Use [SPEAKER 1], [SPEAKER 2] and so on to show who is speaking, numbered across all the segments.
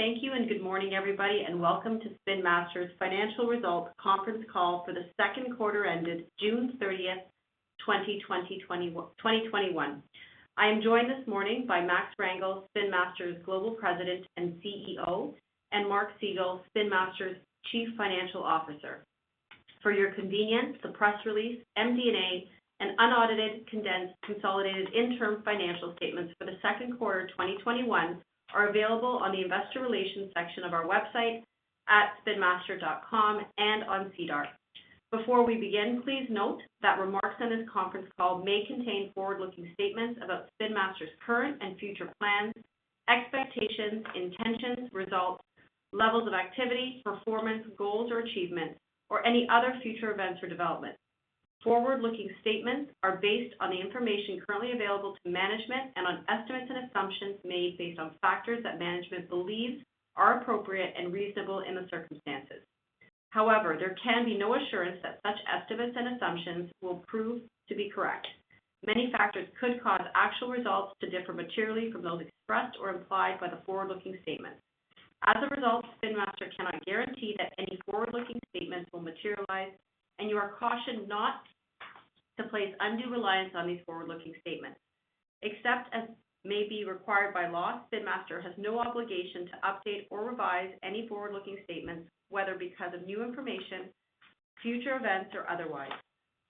[SPEAKER 1] Thank you. Good morning, everybody, and welcome to Spin Master's Financial Results conference call for the second quarter ended June 30th, 2021. I am joined this morning by Max Rangel, Spin Master's Global President and CEO, and Mark Segal, Spin Master's Chief Financial Officer. For your convenience, the press release, MD&A, and unaudited, condensed, consolidated interim financial statements for the second quarter 2021 are available on the Investor Relations section of our website at spinmaster.com and on SEDAR. Before we begin, please note that remarks on this conference call may contain forward-looking statements about Spin Master's current and future plans, expectations, intentions, results, levels of activity, performance, goals or achievements, or any other future events or developments. Forward-looking statements are based on the information currently available to management and on estimates and assumptions made based on factors that management believes are appropriate and reasonable in the circumstances. However, there can be no assurance that such estimates and assumptions will prove to be correct. Many factors could cause actual results to differ materially from those expressed or implied by the forward-looking statement. As a result, Spin Master cannot guarantee that any forward-looking statements will materialize, and you are cautioned not to place undue reliance on these forward-looking statements. Except as may be required by law, Spin Master has no obligation to update or revise any forward-looking statements, whether because of new information, future events, or otherwise.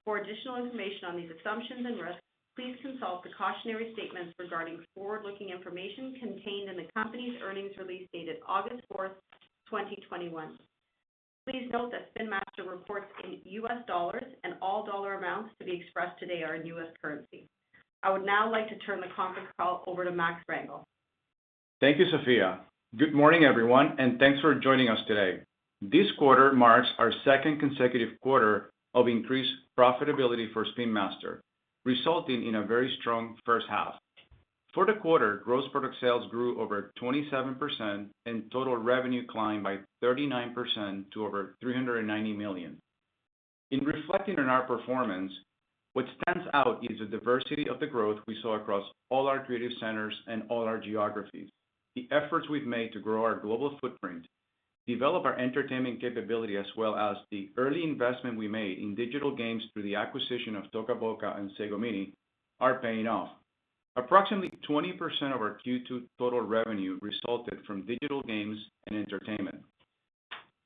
[SPEAKER 1] For additional information on these assumptions and risks, please consult the cautionary statements regarding forward-looking information contained in the company's earnings release dated August 4th, 2021. Please note that Spin Master reports in US dollars, and all dollar amounts to be expressed today are in U.S. currency. I would now like to turn the conference call over to Max Rangel.
[SPEAKER 2] Thank you, Sophia. Good morning, everyone, and thanks for joining us today. This quarter marks our second consecutive quarter of increased profitability for Spin Master, resulting in a very strong first half. For the quarter, gross product sales grew over 27%, and total revenue climbed by 39% to over $390 million. In reflecting on our performance, what stands out is the diversity of the growth we saw across all our creative centers and all our geographies. The efforts we've made to grow our global footprint, develop our entertainment capability, as well as the early investment we made in digital games through the acquisition of Toca Boca and Sago Mini are paying off. Approximately 20% of our Q2 total revenue resulted from digital games and entertainment.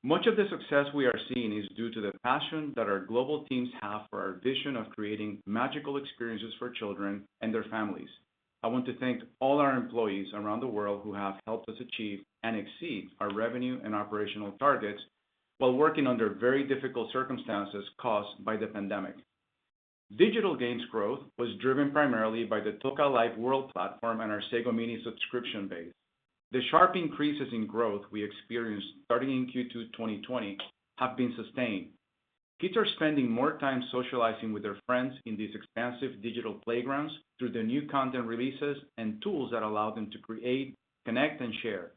[SPEAKER 2] Much of the success we are seeing is due to the passion that our global teams have for our vision of creating magical experiences for children and their families. I want to thank all our employees around the world who have helped us achieve and exceed our revenue and operational targets while working under very difficult circumstances caused by the pandemic. Digital games growth was driven primarily by the Toca Life: World platform and our Sago Mini subscription base. The sharp increases in growth we experienced starting in Q2 2020 have been sustained. Kids are spending more time socializing with their friends in these expansive digital playgrounds through the new content releases and tools that allow them to create, connect, and share.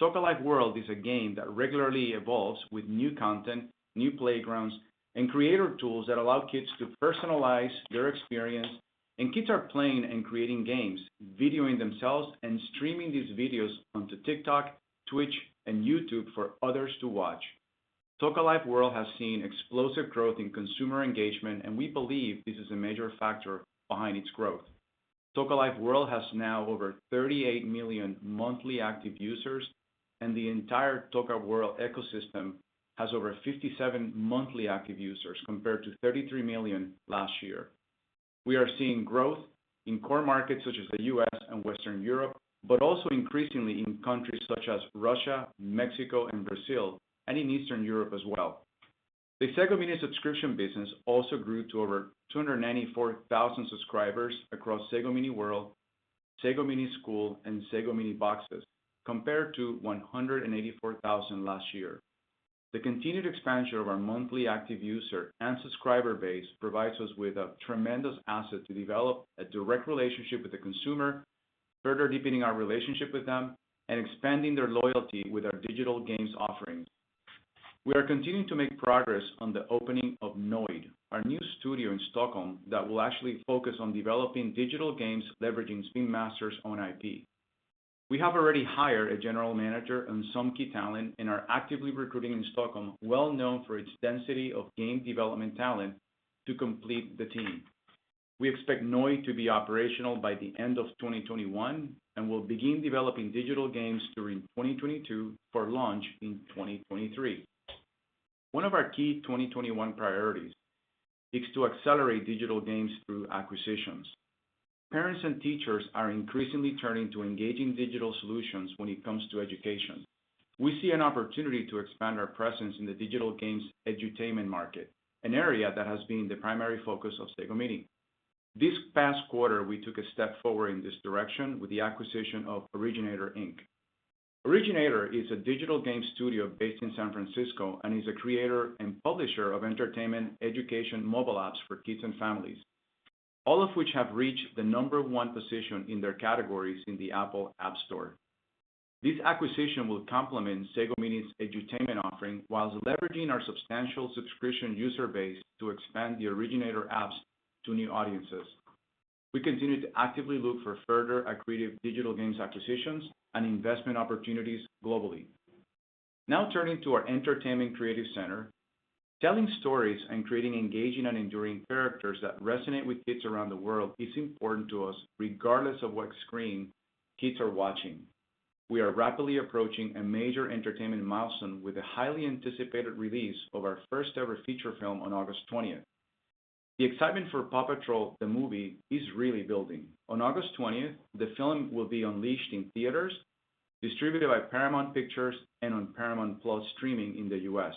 [SPEAKER 2] Toca Life: World is a game that regularly evolves with new content, new playgrounds, and creator tools that allow kids to personalize their experience. Kids are playing and creating games, videoing themselves, and streaming these videos onto TikTok, Twitch, and YouTube for others to watch. Toca Life: World has seen explosive growth in consumer engagement, and we believe this is a major factor behind its growth. Toca Life: World has now over 38 million monthly active users, and the entire Toca World ecosystem has over 57 monthly active users, compared to 33 million last year. We are seeing growth in core markets such as the U.S. and Western Europe, but also increasingly in countries such as Russia, Mexico, and Brazil, and in Eastern Europe as well. The Sago Mini subscription business also grew to over 294,000 subscribers across Sago Mini World, Sago Mini School, and Sago Mini Boxes, compared to 184,000 last year. The continued expansion of our monthly active user and subscriber base provides us with a tremendous asset to develop a direct relationship with the consumer, further deepening our relationship with them and expanding their loyalty with our digital games offerings. We are continuing to make progress on the opening of Nørd, our new studio in Stockholm, that will actually focus on developing digital games leveraging Spin Master's own IP. We have already hired a general manager and some key talent and are actively recruiting in Stockholm, well known for its density of game development talent to complete the team. We expect Nørd to be operational by the end of 2021 and will begin developing digital games during 2022 for launch in 2023. One of our key 2021 priorities is to accelerate digital games through acquisitions. Parents and teachers are increasingly turning to engaging digital solutions when it comes to education. We see an opportunity to expand our presence in the digital games edutainment market, an area that has been the primary focus of Sago Mini. This past quarter, we took a step forward in this direction with the acquisition of Originator Inc. Originator is a digital game studio based in San Francisco and is a creator and publisher of entertainment education mobile apps for kids and families, all of which have reached the number one position in their categories in the Apple App Store. This acquisition will complement Sago Mini's edutainment offering whilst leveraging our substantial subscription user base to expand the Originator apps to new audiences. We continue to actively look for further accretive digital games acquisitions and investment opportunities globally. Now turning to our entertainment creative center. Telling stories and creating engaging and enduring characters that resonate with kids around the world is important to us, regardless of what screen kids are watching. We are rapidly approaching a major entertainment milestone with the highly anticipated release of our first-ever feature film on August 20th. The excitement for PAW Patrol: The Movie is really building. On August 20th, the film will be unleashed in theaters, distributed by Paramount Pictures, and on Paramount+ streaming in the U.S.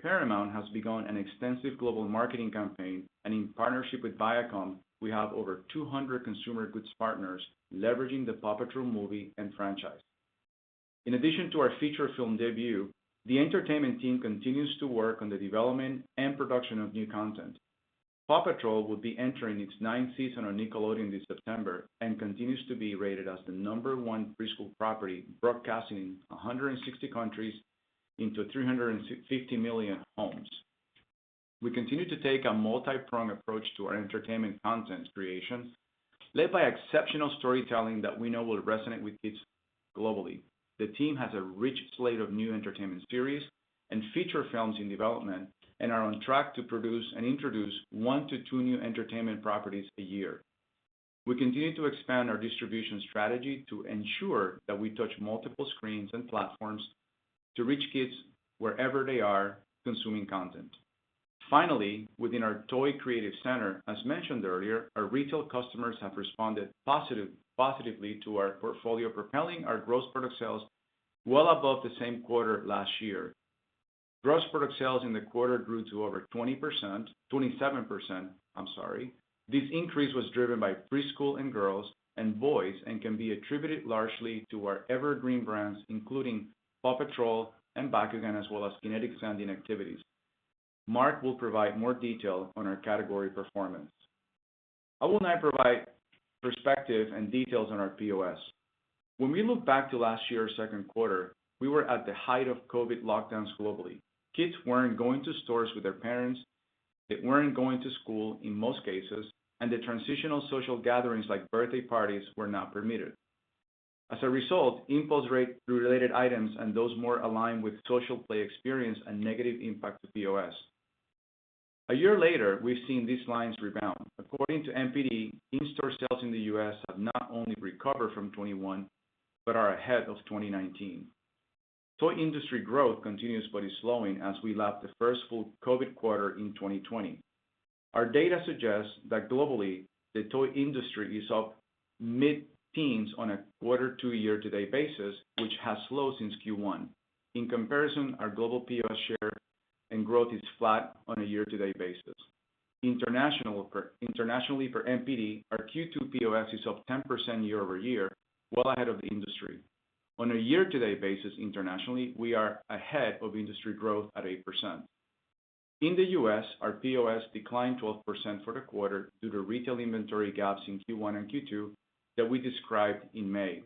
[SPEAKER 2] Paramount has begun an extensive global marketing campaign, and in partnership with Viacom, we have over 200 consumer goods partners leveraging the PAW Patrol movie and franchise. In addition to our feature film debut, the entertainment team continues to work on the development and production of new content. PAW Patrol will be entering its ninth season on Nickelodeon this September and continues to be rated as the number one preschool property broadcasting in 160 countries into 350 million homes. We continue to take a multi-pronged approach to our entertainment content creation, led by exceptional storytelling that we know will resonate with kids globally. The team has a rich slate of new entertainment series and feature films in development and are on track to produce and introduce one to two new entertainment properties a year. We continue to expand our distribution strategy to ensure that we touch multiple screens and platforms to reach kids wherever they are consuming content. Finally, within our toy creative center, as mentioned earlier, our retail customers have responded positively to our portfolio, propelling our gross product sales well above the same quarter last year. Gross product sales in the quarter grew to over 20%, 27%, I'm sorry. This increase was driven by preschool, and girls, and boys, and can be attributed largely to our evergreen brands, including PAW Patrol and Bakugan, as well as Kinetic Sand and Activities. Mark will provide more detail on our category performance. I will now provide perspective and details on our POS. When we look back to last year's second quarter, we were at the height of COVID lockdowns globally. Kids weren't going to stores with their parents, they weren't going to school in most cases, and the traditional social gatherings, like birthday parties, were not permitted. As a result, impulse-related items and those more aligned with social play experienced a negative impact to POS. A year later, we've seen these lines rebound. According to NPD, in-store sales in the U.S. have not only recovered from 2021, but are ahead of 2019. Toy industry growth continues but is slowing as we lap the first full COVID quarter in 2020. Our data suggests that globally, the toy industry is up mid-teens on a quarter to year-to-date basis, which has slowed since Q1. In comparison, our global POS share and growth is flat on a year-to-date basis. Internationally for NPD, our Q2 POS is up 10% year-over-year, well ahead of the industry. On a year-to-date basis internationally, we are ahead of industry growth at 8%. In the U.S., our POS declined 12% for the quarter due to retail inventory gaps in Q1 and Q2 that we described in May.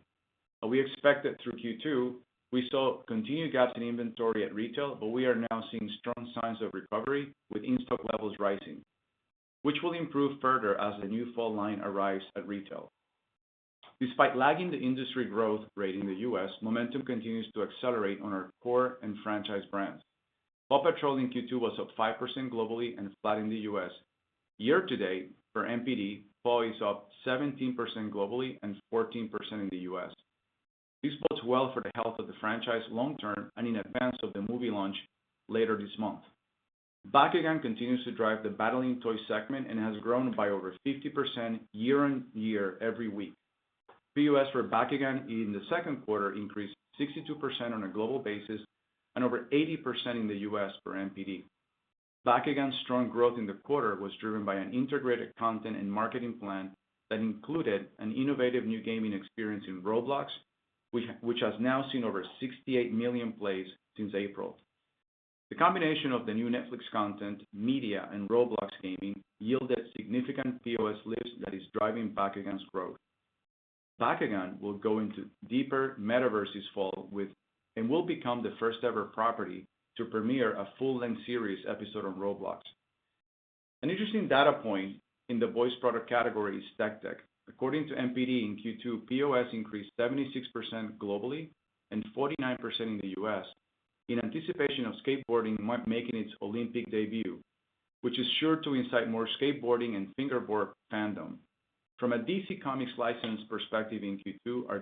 [SPEAKER 2] We expect that through Q2, we saw continued gaps in inventory at retail, but we are now seeing strong signs of recovery with in-stock levels rising, which will improve further as the new fall line arrives at retail. Despite lagging the industry growth rate in the U.S., momentum continues to accelerate on our core and franchise brands. PAW Patrol in Q2 was up 5% globally and flat in the U.S. Year to date, for NPD, PAW is up 17% globally and 14% in the U.S. This bodes well for the health of the franchise long-term and in advance of the movie launch later this month. Bakugan continues to drive the battling toy segment and has grown by over 50% year-on-year every week. POS for Bakugan in the second quarter increased 62% on a global basis and over 80% in the U.S. for NPD. Bakugan's strong growth in the quarter was driven by an integrated content and marketing plan that included an innovative new gaming experience in Roblox, which has now seen over 68 million plays since April. The combination of the new Netflix content, media, and Roblox gaming yielded significant POS lifts that is driving Bakugan's growth. Bakugan will go into deeper metaverse this fall and will become the first-ever property to premiere a full-length series episode on Roblox. An interesting data point in the boys product category is Tech Deck. According to NPD, in Q2, POS increased 76% globally and 49% in the U.S. in anticipation of skateboarding making its Olympic debut, which is sure to incite more skateboarding and fingerboard fandom. From a DC Comics license perspective in Q2, our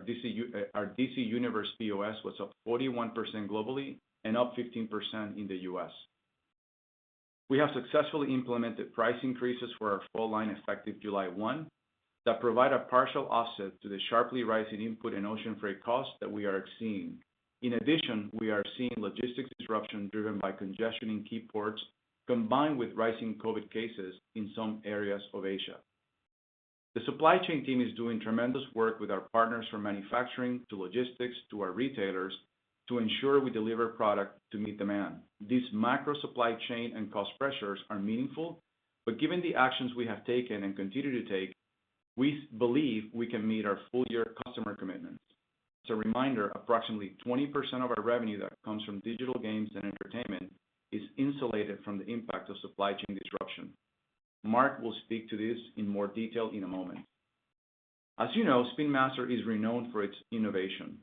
[SPEAKER 2] DC Universe POS was up 41% globally and up 15% in the U.S. We have successfully implemented price increases for our fall line effective July 1 that provide a partial offset to the sharply rising input and ocean freight costs that we are seeing. We are seeing logistics disruption driven by congestion in key ports, combined with rising COVID cases in some areas of Asia. The supply chain team is doing tremendous work with our partners from manufacturing to logistics to our retailers to ensure we deliver product to meet demand. These macro supply chain and cost pressures are meaningful. Given the actions we have taken and continue to take, we believe we can meet our full-year customer commitments. As a reminder, approximately 20% of our revenue that comes from digital games and entertainment is insulated from the impact of supply chain disruption. Mark will speak to this in more detail in a moment. As you know, Spin Master is renowned for its innovation.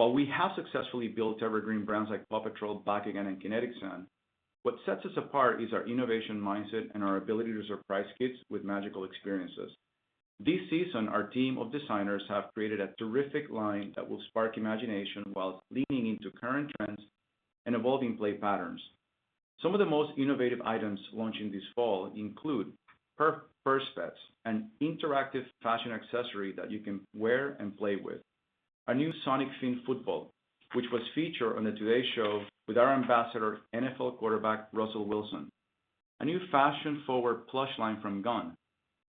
[SPEAKER 2] While we have successfully built evergreen brands like PAW Patrol, Bakugan, and Kinetic Sand, what sets us apart is our innovation mindset and our ability to surprise kids with magical experiences. This season, our team of designers have created a terrific line that will spark imagination while leaning into current trends and evolving play patterns. Some of the most innovative items launching this fall include Purse Pets, an interactive fashion accessory that you can wear and play with, a new Sonic Fin Football, which was featured on "The Today Show" with our ambassador, NFL quarterback Russell Wilson. A new fashion-forward plush line from Gund,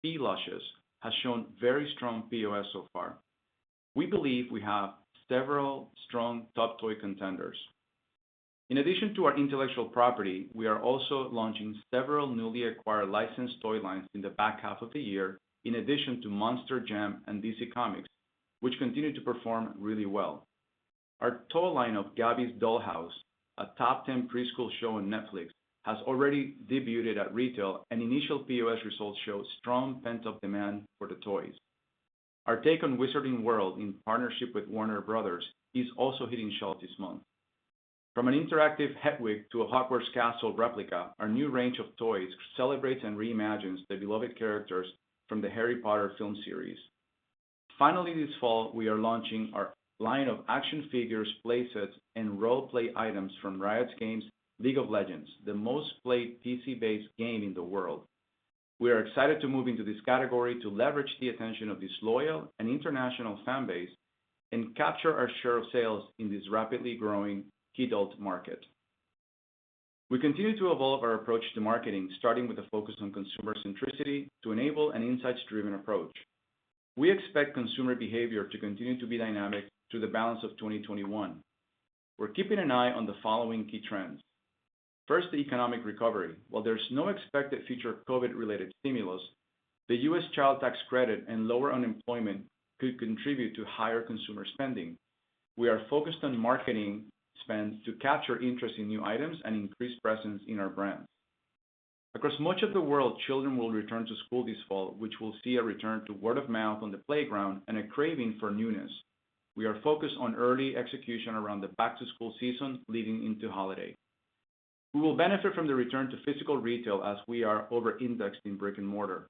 [SPEAKER 2] P.Lushes, has shown very strong POS so far. We believe we have several strong top toy contenders. In addition to our intellectual property, we are also launching several newly acquired licensed toy lines in the back half of the year, in addition to Monster Jam and DC Comics, which continue to perform really well. Our toy line of "Gabby's Dollhouse," a top 10 preschool show on Netflix, has already debuted at retail, and initial POS results show strong pent-up demand for the toys. Our take on Wizarding World in partnership with Warner Bros. is also hitting shelves this month. From an interactive Hedwig to a Hogwarts castle replica, our new range of toys celebrates and reimagines the beloved characters from the "Harry Potter" film series. Finally, this fall, we are launching our line of action figures, play sets, and role-play items from Riot Games' "League of Legends," the most-played PC-based game in the world. We are excited to move into this category to leverage the attention of this loyal and international fan base and capture our share of sales in this rapidly growing kidult market. We continue to evolve our approach to marketing, starting with a focus on consumer centricity to enable an insights-driven approach. We expect consumer behavior to continue to be dynamic through the balance of 2021. We're keeping an eye on the following key trends. First, the economic recovery. While there's no expected future COVID-related stimulus, the U.S. Child Tax Credit and lower unemployment could contribute to higher consumer spending. We are focused on marketing spend to capture interest in new items and increase presence in our brands. Across much of the world, children will return to school this fall, which will see a return to word of mouth on the playground and a craving for newness. We are focused on early execution around the back-to-school season leading into holiday. We will benefit from the return to physical retail as we are over-indexed in brick and mortar.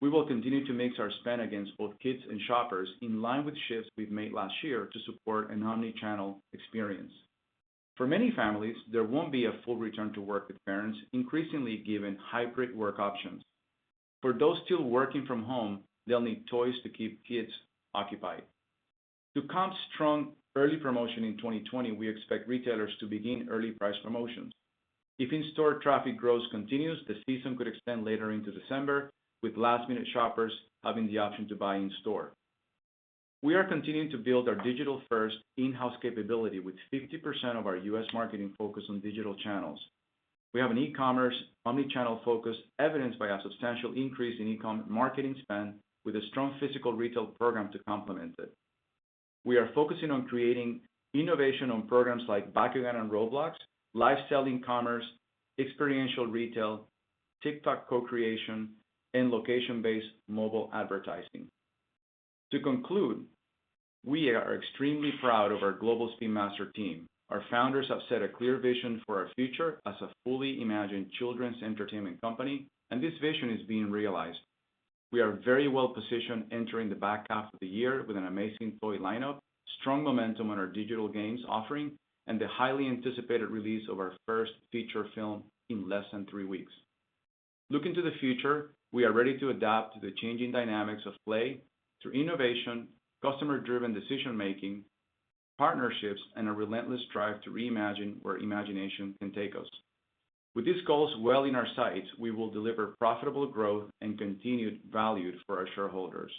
[SPEAKER 2] We will continue to mix our spend against both kids and shoppers in line with shifts we've made last year to support an omni-channel experience. For many families, there won't be a full return to work, with parents increasingly given hybrid work options. For those still working from home, they'll need toys to keep kids occupied. To comp strong early promotion in 2020, we expect retailers to begin early price promotions. If in-store traffic growth continues, the season could extend later into December, with last-minute shoppers having the option to buy in store. We are continuing to build our digital-first in-house capability, with 50% of our U.S. marketing focus on digital channels. We have an e-commerce omni-channel focus evidenced by a substantial increase in e-com marketing spend with a strong physical retail program to complement it. We are focusing on creating innovation on programs like Bakugan on Roblox, live selling commerce, experiential retail, TikTok co-creation, and location-based mobile advertising. To conclude, we are extremely proud of our global Spin Master team. Our founders have set a clear vision for our future as a fully imagined children's entertainment company, and this vision is being realized. We are very well positioned entering the back half of the year with an amazing toy lineup, strong momentum on our digital games offering, and the highly anticipated release of our first feature film in less than three weeks. Looking to the future, we are ready to adapt to the changing dynamics of play through innovation, customer-driven decision making, partnerships, and a relentless drive to reimagine where imagination can take us. With these goals well in our sights, we will deliver profitable growth and continued value for our shareholders.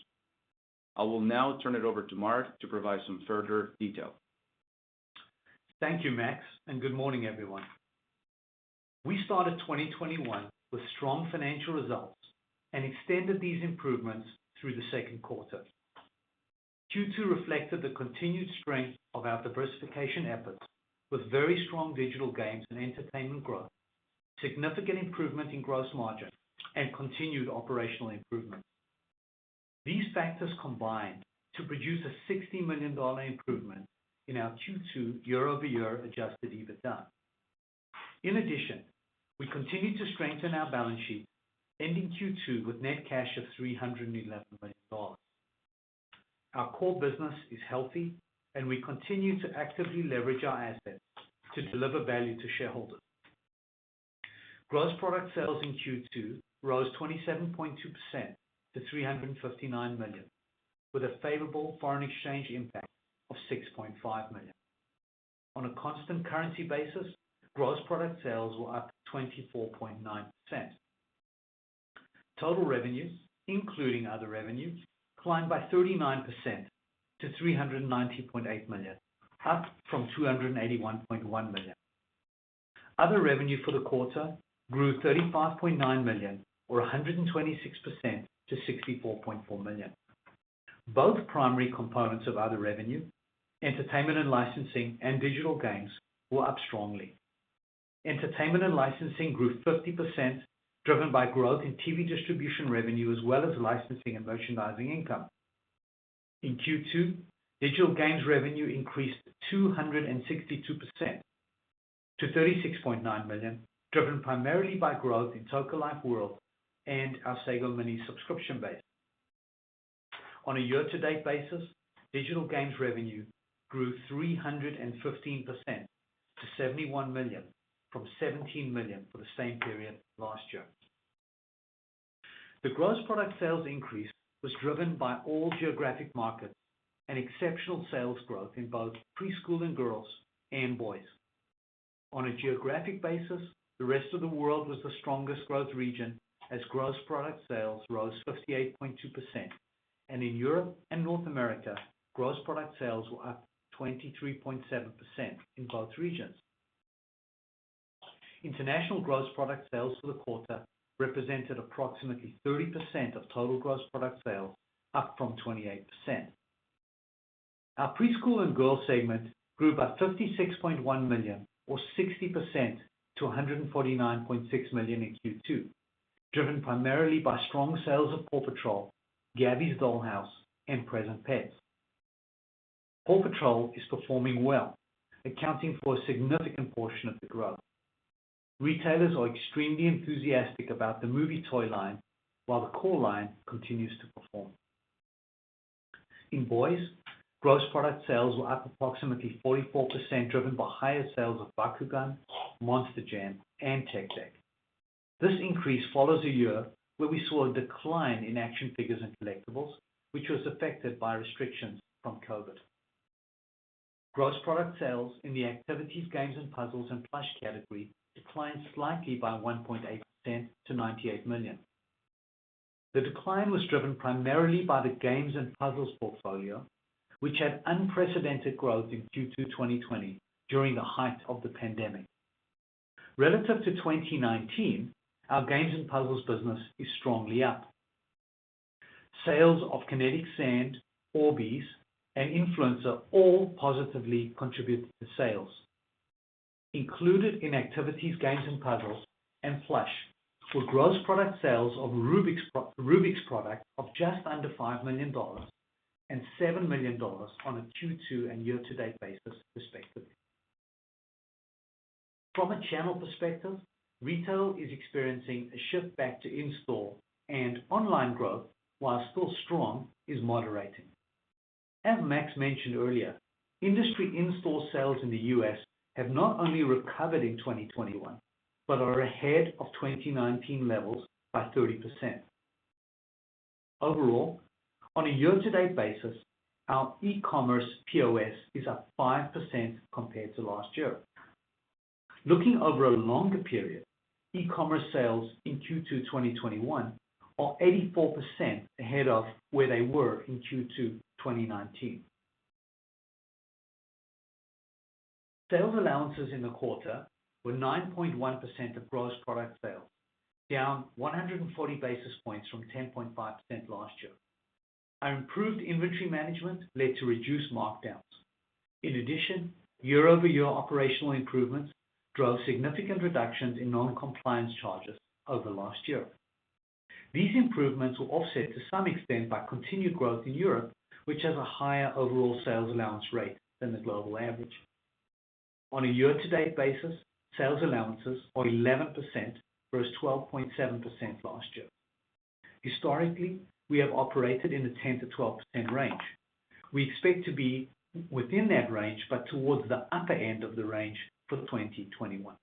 [SPEAKER 2] I will now turn it over to Mark to provide some further detail.
[SPEAKER 3] Thank you, Max, and good morning, everyone. We started 2021 with strong financial results and extended these improvements through the second quarter. Q2 reflected the continued strength of our diversification efforts with very strong digital games and entertainment growth, significant improvement in gross margin, and continued operational improvement. These factors combined to produce a $60 million improvement in our Q2 year-over-year adjusted EBITDA. In addition, we continued to strengthen our balance sheet, ending Q2 with net cash of $311 million. Our core business is healthy, and we continue to actively leverage our assets to deliver value to shareholders. Gross product sales in Q2 rose 27.2% to $359 million, with a favorable foreign exchange impact of $6.5 million. On a constant currency basis, gross product sales were up 24.9%. Total revenues, including other revenues, climbed by 39% to $390.8 million, up from $281.1 million. Other revenue for the quarter grew $35.9 million or 126% to $64.4 million. Both primary components of other revenue, entertainment and licensing and digital games were up strongly. Entertainment and licensing grew 50%, driven by growth in TV distribution revenue, as well as licensing and merchandising income. In Q2, digital games revenue increased 262% to $36.9 million, driven primarily by growth in Toca Life: World and our Sago Mini subscription base. On a year-to-date basis, digital games revenue grew 315% to $71 million from $17 million for the same period last year. The gross product sales increase was driven by all geographic markets and exceptional sales growth in both preschool and girls and boys. On a geographic basis, the rest of the world was the strongest growth region as gross product sales rose 58.2%. In Europe and North America, gross product sales were up 23.7% in both regions. International gross product sales for the quarter represented approximately 30% of total gross product sales up from 28%. Our Preschool and Girls segment grew by $56.1 million or 60% to $149.6 million in Q2, driven primarily by strong sales of PAW Patrol, Gabby's Dollhouse, and Present Pets. PAW Patrol is performing well, accounting for a significant portion of the growth. Retailers are extremely enthusiastic about the movie toy line, while the core line continues to perform. In boys, gross product sales were up approximately 44% driven by higher sales of Bakugan, Monster Jam, and Tech Deck. This increase follows a year where we saw a decline in action figures and collectibles, which was affected by restrictions from COVID. Gross product sales in the activities, games and puzzles, and plush category declined slightly by 1.8% to $98 million. The decline was driven primarily by the games and puzzles portfolio, which had unprecedented growth in Q2 2020 during the height of the pandemic. Relative to 2019, our games and puzzles business is strongly up. Sales of Kinetic Sand, Orbeez, and Inkfluencer all positively contributed to sales. Included in activities, games and puzzles, and plush were gross product sales of Rubik's product of just under $5 million and $7 million on a Q2 and year-to-date basis respectively. From a channel perspective, retail is experiencing a shift back to in-store and online growth, while still strong, is moderating. As Max mentioned earlier, industry in-store sales in the U.S. have not only recovered in 2021, but are ahead of 2019 levels by 30%. Overall, on a year-to-date basis, our e-commerce POS is up 5% compared to last year. Looking over a longer period, e-commerce sales in Q2 2021 are 84% ahead of where they were in Q2 2019. Sales allowances in the quarter were 9.1% of gross product sales, down 140 basis points from 10.5% last year. Our improved inventory management led to reduced markdowns. In addition, year-over-year operational improvements drove significant reductions in non-compliance charges over last year. These improvements were offset to some extent by continued growth in Europe, which has a higher overall sales allowance rate than the global average. On a year-to-date basis, sales allowances are 11% versus 12.7% last year. Historically, we have operated in the 10%-12% range. We expect to be within that range, but towards the upper end of the range for 2021.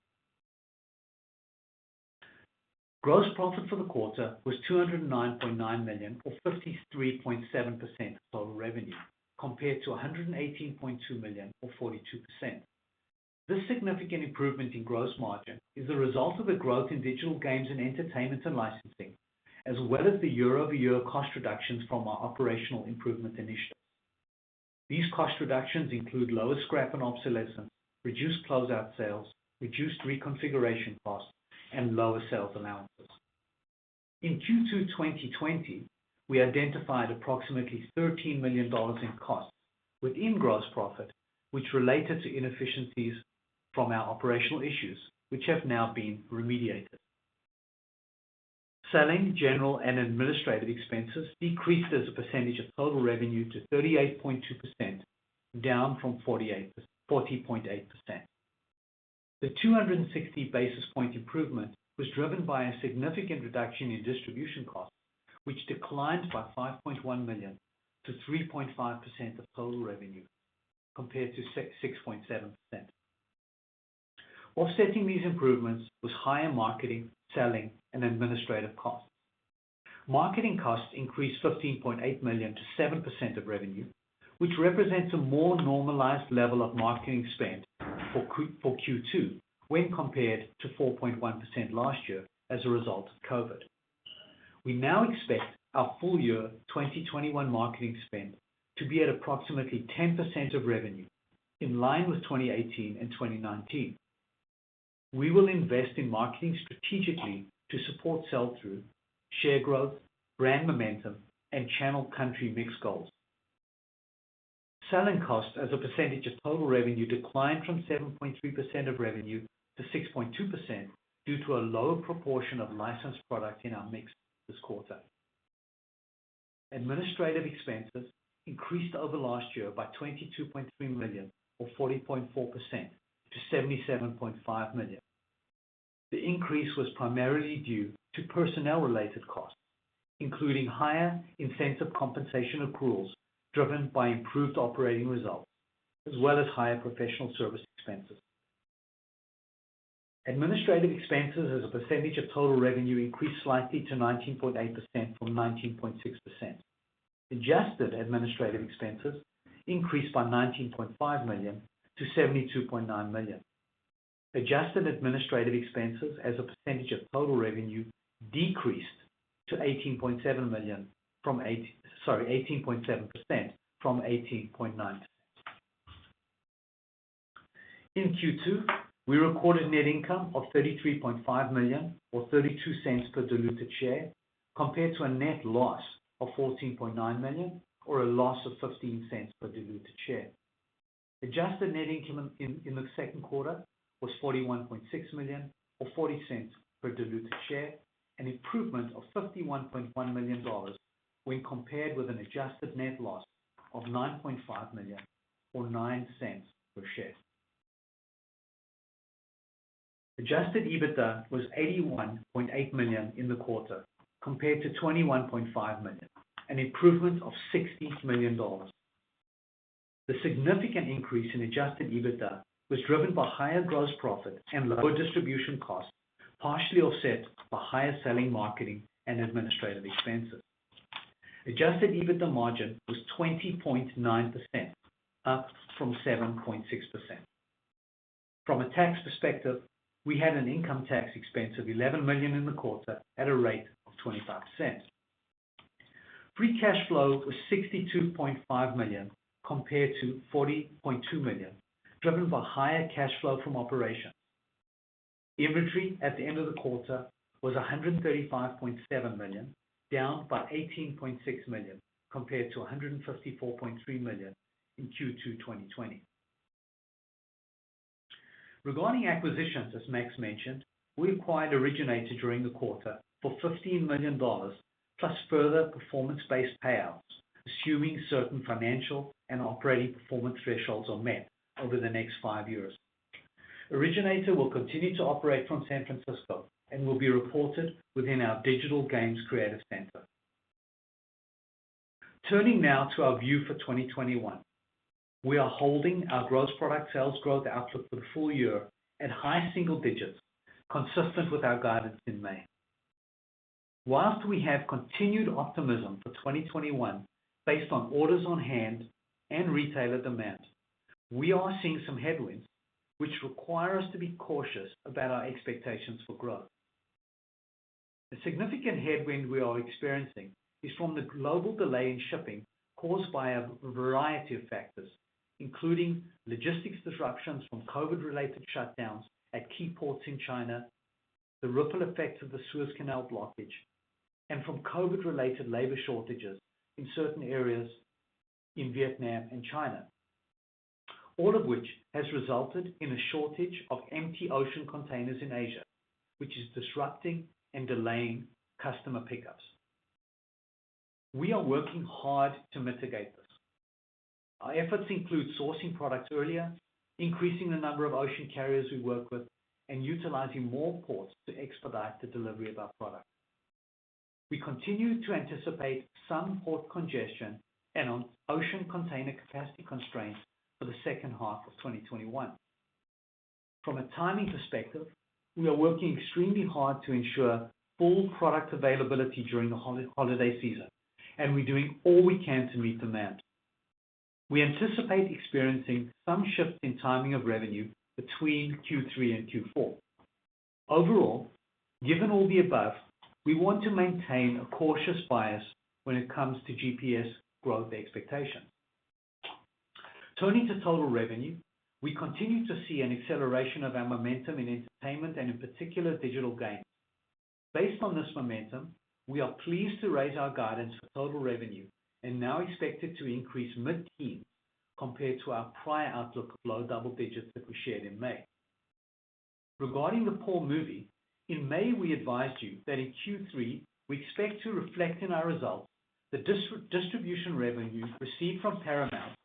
[SPEAKER 3] Gross profit for the quarter was $209.9 million or 53.7% of total revenue, compared to $118.2 million or 42%. This significant improvement in gross margin is the result of the growth in digital games and entertainment and licensing, as well as the year-over-year cost reductions from our operational improvement initiatives. These cost reductions include lower scrap and obsolescence, reduced closeout sales, reduced reconfiguration costs, and lower sales allowances. In Q2 2020, we identified approximately $13 million in costs within gross profit, which related to inefficiencies from our operational issues, which have now been remediated. Selling, general and administrative expenses decreased as a percentage of total revenue to 38.2%, down from 40.8%. The 260 basis point improvement was driven by a significant reduction in distribution costs, which declined by $5.1 million to 3.5% of total revenue, compared to 6.7%. Offsetting these improvements was higher marketing, selling, and administrative costs. Marketing costs increased $15.8 million to 7% of revenue, which represents a more normalized level of marketing spend for Q2 when compared to 4.1% last year as a result of COVID. We now expect our full year 2021 marketing spend to be at approximately 10% of revenue, in line with 2018 and 2019. We will invest in marketing strategically to support sell-through, share growth, brand momentum, and channel country mix goals. Selling cost as a percentage of total revenue declined from 7.3% of revenue to 6.2% due to a lower proportion of licensed product in our mix this quarter. Administrative expenses increased over last year by $22.3 million or 40.4% to $77.5 million. The increase was primarily due to personnel-related costs, including higher incentive compensation accruals driven by improved operating results, as well as higher professional service expenses. Administrative expenses as a percentage of total revenue increased slightly to 19.8% from 19.6%. Adjusted administrative expenses increased by $19.5 million to $72.9 million. Adjusted administrative expenses as a percentage of total revenue decreased to 18.7% from 18.9%. In Q2, we recorded net income of $33.5 million or $0.32 per diluted share compared to a net loss of $14.9 million or a loss of $0.15 per diluted share. Adjusted net income in the second quarter was $41.6 million or $0.40 per diluted share, an improvement of $51.1 million when compared with an adjusted net loss of $9.5 million or $0.09 per share. Adjusted EBITDA was $81.8 million in the quarter, compared to $21.5 million, an improvement of $60 million. The significant increase in adjusted EBITDA was driven by higher gross profit and lower distribution costs, partially offset by higher selling, marketing, and administrative expenses. Adjusted EBITDA margin was 20.9%, up from 7.6%. From a tax perspective, we had an income tax expense of $11 million in the quarter at a rate of 25%. Free cash flow was $62.5 million compared to $40.2 million, driven by higher cash flow from operations. Inventory at the end of the quarter was $135.7 million, down by $18.6 million compared to $154.3 million in Q2 2020. Regarding acquisitions, as Max mentioned, we acquired Originator during the quarter for $15 million, plus further performance-based payouts, assuming certain financial and operating performance thresholds are met over the next five years. Originator will continue to operate from San Francisco and will be reported within our Digital Games Creative Center. Turning now to our view for 2021. We are holding our gross product sales growth outlook for the full year at high single digits, consistent with our guidance in May. Whilst we have continued optimism for 2021 based on orders on hand and retailer demand, we are seeing some headwinds, which require us to be cautious about our expectations for growth. A significant headwind we are experiencing is from the global delay in shipping caused by a variety of factors, including logistics disruptions from COVID-related shutdowns at key ports in China, the ripple effects of the Suez Canal blockage, and from COVID-related labor shortages in certain areas in Vietnam and China. All of which has resulted in a shortage of empty ocean containers in Asia, which is disrupting and delaying customer pickups. We are working hard to mitigate this. Our efforts include sourcing products earlier, increasing the number of ocean carriers we work with, and utilizing more ports to expedite the delivery of our product. We continue to anticipate some port congestion and ocean container capacity constraints for the second half of 2021. From a timing perspective, we are working extremely hard to ensure full product availability during the holiday season, and we're doing all we can to meet demand. We anticipate experiencing some shift in timing of revenue between Q3 and Q4. Given all the above, we want to maintain a cautious bias when it comes to GPS growth expectations. Turning to total revenue, we continue to see an acceleration of our momentum in entertainment and in particular, digital games. Based on this momentum, we are pleased to raise our guidance for total revenue and now expect it to increase mid-teen compared to our prior outlook of low double digits that we shared in May. Regarding the PAW movie, in May, we advised you that in Q3, we expect to reflect in our results the distribution revenue received from Paramount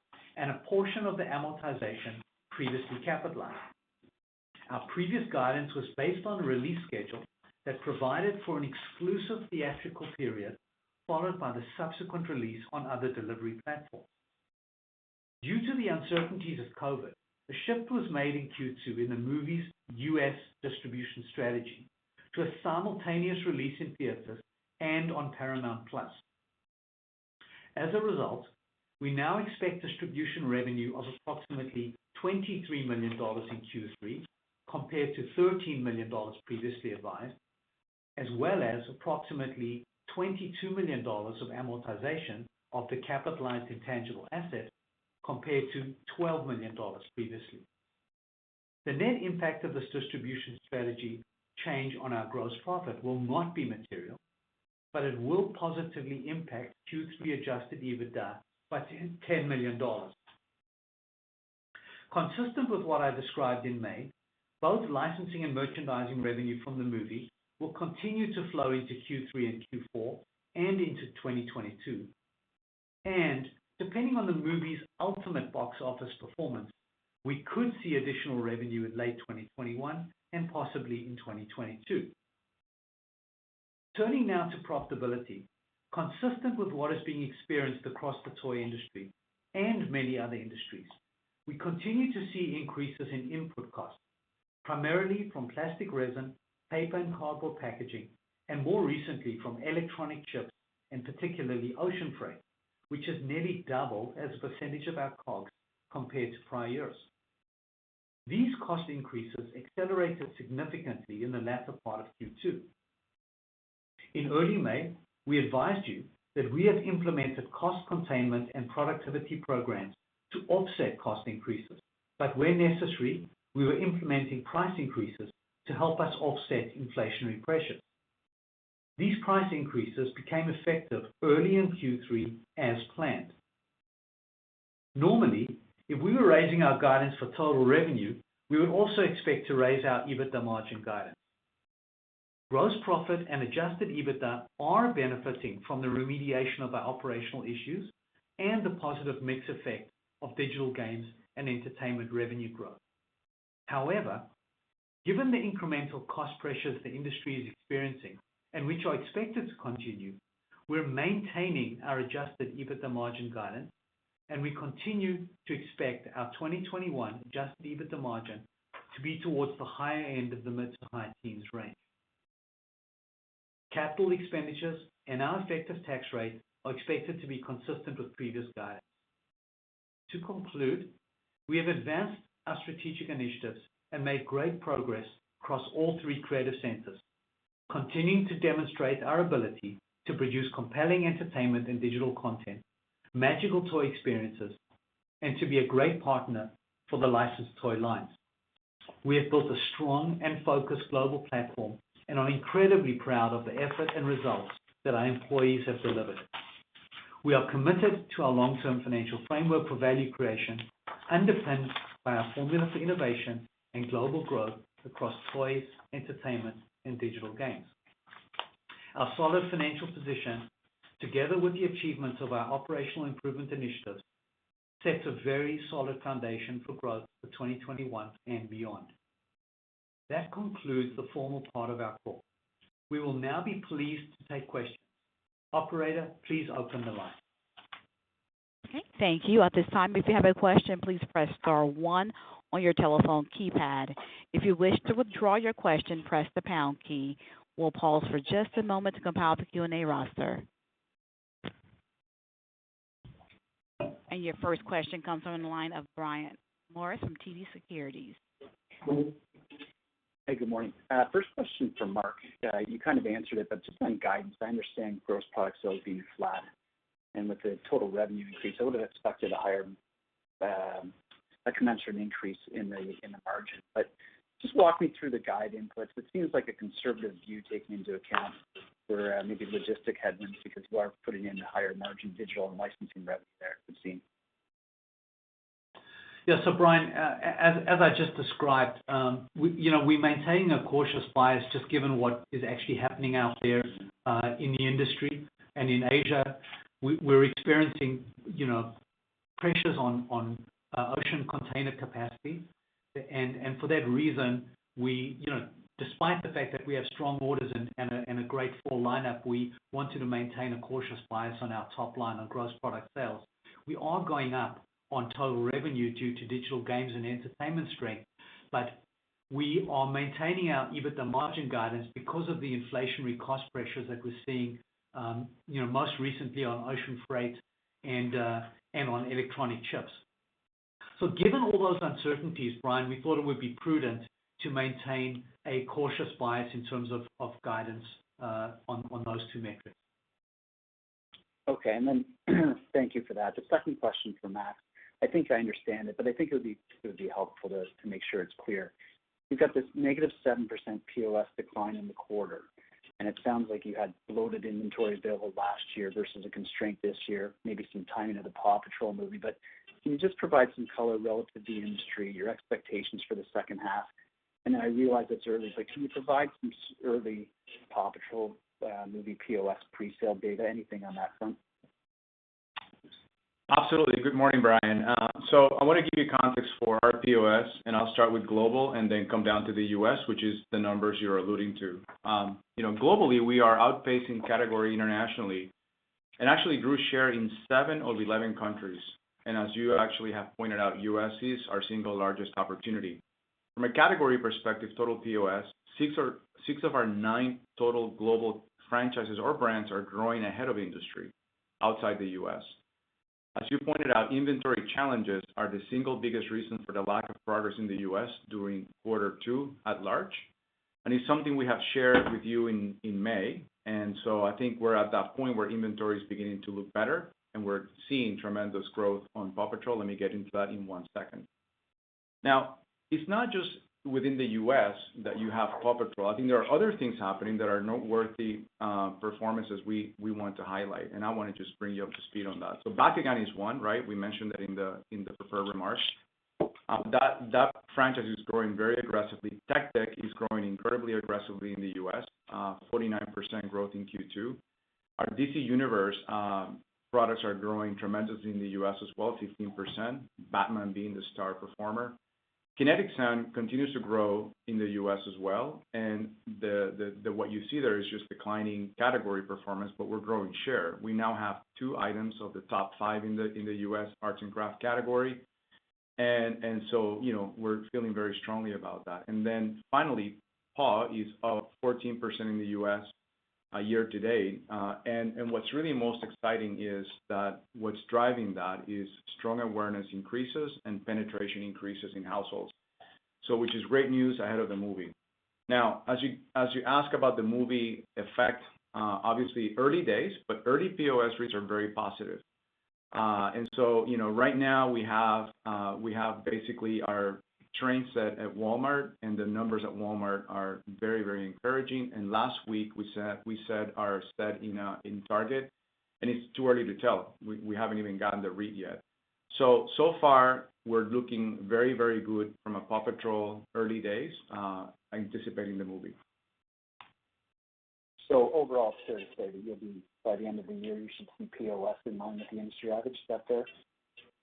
[SPEAKER 3] and a portion of the amortization previously capitalized. Our previous guidance was based on a release schedule that provided for an exclusive theatrical period, followed by the subsequent release on other delivery platforms. Due to the uncertainties of COVID, a shift was made in Q2 in the movie's U.S. distribution strategy to a simultaneous release in theaters and on Paramount+. As a result, we now expect distribution revenue of approximately $23 million in Q3 compared to $13 million previously advised, as well as approximately $22 million of amortization of the capitalized intangible assets compared to $12 million previously. The net impact of this distribution strategy change on our gross profit will not be material, but it will positively impact Q3 adjusted EBITDA by $10 million. Consistent with what I described in May, both licensing and merchandising revenue from the movie will continue to flow into Q3 and Q4 and into 2022. Depending on the movie's ultimate box office performance, we could see additional revenue in late 2021 and possibly in 2022. Turning now to profitability. Consistent with what is being experienced across the toy industry and many other industries, we continue to see increases in input costs, primarily from plastic resin, paper and cardboard packaging, and more recently, from electronic chips and particularly ocean freight, which has nearly doubled as a percentage of our costs compared to prior years. These cost increases accelerated significantly in the latter part of Q2. In early May, we advised you that we have implemented cost containment and productivity programs to offset cost increases. Where necessary, we were implementing price increases to help us offset inflationary pressures. These price increases became effective early in Q3 as planned. Normally, if we were raising our guidance for total revenue, we would also expect to raise our EBITDA margin guidance. Gross profit and adjusted EBITDA are benefiting from the remediation of our operational issues and the positive mix effect of digital games and entertainment revenue growth. However, given the incremental cost pressures the industry is experiencing and which are expected to continue, we're maintaining our adjusted EBITDA margin guidance, and we continue to expect our 2021 adjusted EBITDA margin to be towards the higher end of the mid to high teens range. Capital expenditures and our effective tax rate are expected to be consistent with previous guidance. To conclude, we have advanced our strategic initiatives and made great progress across all three creative centers, continuing to demonstrate our ability to produce compelling entertainment and digital content, magical toy experiences, and to be a great partner for the licensed toy lines. We have built a strong and focused global platform and are incredibly proud of the effort and results that our employees have delivered. We are committed to our long-term financial framework for value creation, underpinned by our formula for innovation and global growth across toys, entertainment, and digital games. Our solid financial position, together with the achievements of our operational improvement initiatives, sets a very solid foundation for growth for 2021 and beyond. That concludes the formal part of our call. We will now be pleased to take questions. Operator, please open the line.
[SPEAKER 1] Okay, thank you. At this time, if you have a question, please press star one on your telephone keypad. If you wish to withdraw your question, press the pound key. We'll pause for just a moment to compile the Q&A roster. Your first question comes from the line of Brian Morrison from TD Securities.
[SPEAKER 4] Hey, good morning. First question for Mark. You kind of answered it, but just on guidance, I understand gross products will be flat. With the total revenue increase, I would've expected a commensurate increase in the margin. Just walk me through the guide inputs, which seems like a conservative view taking into account for maybe logistic headwinds because you are putting in higher margin digital and licensing revenue there, it would seem.
[SPEAKER 3] Brian, as I just described, we're maintaining a cautious bias just given what is actually happening out there in the industry and in Asia. We're experiencing pressures on ocean container capacity. For that reason, despite the fact that we have strong orders and a great fall lineup, we wanted to maintain a cautious bias on our top line on gross product sales. We are going up on total revenue due to digital games and entertainment strength, but we are maintaining our EBITDA margin guidance because of the inflationary cost pressures that we're seeing, most recently on ocean freight and on electronic chips. Given all those uncertainties, Brian, we thought it would be prudent to maintain a cautious bias in terms of guidance on those two metrics.
[SPEAKER 4] Okay. Thank you for that. The second question is for Max. I think I understand it, but I think it would be helpful just to make sure it's clear. You've got this -7% POS decline in the quarter, and it sounds like you had bloated inventory available last year versus a constraint this year, maybe some timing of the PAW Patrol: The Movie. Can you just provide some color relative to the industry, your expectations for the second half? I realize it's early, but can you provide some early PAW Patrol: The Movie POS presale data, anything on that front?
[SPEAKER 2] Absolutely. Good morning, Brian. I want to give you context for our POS, and I'll start with global and then come down to the U.S., which is the numbers you're alluding to. Globally, we are outpacing category internationally and actually grew share in seven of 11 countries. As you actually have pointed out, U.S. is our single largest opportunity. From a category perspective, total POS, six of our nine total global franchises or brands are growing ahead of industry outside the U.S. As you pointed out, inventory challenges are the single biggest reason for the lack of progress in the U.S. during quarter two at large, and it's something we have shared with you in May. I think we're at that point where inventory is beginning to look better, and we're seeing tremendous growth on PAW Patrol. Let me get into that in one second. It's not just within the U.S. that you have PAW Patrol. I think there are other things happening that are noteworthy performances we want to highlight, and I want to just bring you up to speed on that. Bakugan is one, right? We mentioned that in the prepared remarks. That franchise is growing very aggressively. Tech Deck is growing incredibly aggressively in the U.S., 49% growth in Q2. Our DC Universe products are growing tremendously in the U.S. as well, 15%, Batman being the star performer. Kinetic Sand continues to grow in the U.S. as well, and what you see there is just declining category performance, but we're growing share. We now have two items of the top five in the U.S. arts and craft category, and we're feeling very strongly about that. Finally, PAW is up 14% in the U.S. year-to-date. What's really most exciting is that what's driving that is strong awareness increases and penetration increases in households. Which is great news ahead of the movie. Now, as you ask about the movie effect, obviously early days, but early POS rates are very positive. Right now we have basically our train set at Walmart, and the numbers at Walmart are very encouraging. Last week, we set our set in Target, and it's too early to tell. We haven't even gotten the read yet. So far we're looking very good from a PAW Patrol early days, anticipating the movie.
[SPEAKER 4] Overall, seriously, you'll be, by the end of the year, you should see POS in line with the industry average, about there?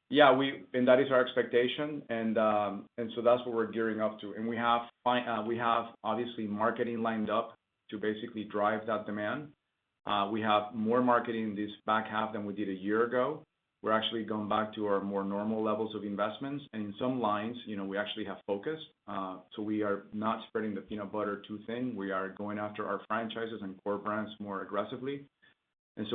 [SPEAKER 2] Yeah. That is our expectation, that's what we're gearing up to. We have obviously marketing lined up to basically drive that demand. We have more marketing this back half than we did a year ago. We're actually going back to our more normal levels of investments. In some lines, we actually have focus. We are not spreading the peanut butter too thin. We are going after our franchises and core brands more aggressively.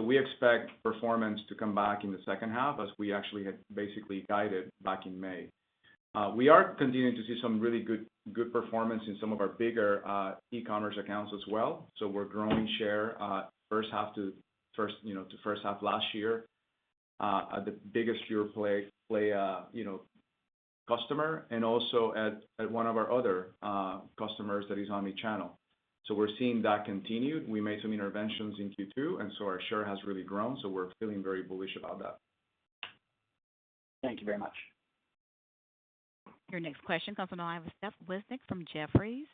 [SPEAKER 2] We expect performance to come back in the second half as we actually had basically guided back in May. We are continuing to see some really good performance in some of our bigger e-commerce accounts as well. We're growing share to first half last year at the biggest pure-play customer, and also at one of our other customers that is omni-channel. We're seeing that continued. We made some interventions in Q2, and so our share has really grown. We're feeling very bullish about that.
[SPEAKER 4] Thank you very much.
[SPEAKER 1] Your next question comes on the line with Stephanie Wissink from Jefferies.